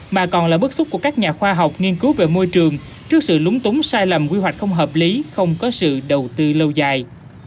mà còn là bức xúc của các nhà khoa học nghiên cứu về môi trường trước sự lúng túng sai lầm quy hoạch không hợp lý không có sự đầu tư lâu dài